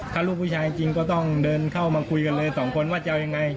ถ้าลูกผู้ชายจริงก็ต้องเดินเข้ามาคุยกันเลยสองคนว่าจะเอายังไง